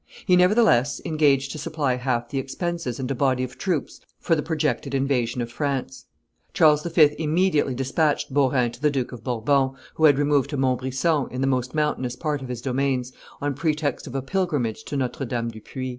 He, nevertheless, engaged to supply half the expenses and a body of troops for the projected invasion of France. Charles V. immediately despatched Beaurain to the Duke of Bourbon, who had removed to Montbrison, in the most mountainous part of his domains, on pretext of a pilgrimage to Notre Dame du Puy.